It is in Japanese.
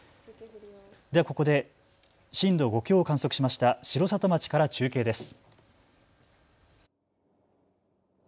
ではここで震度５強を観測しました城里町から中継です。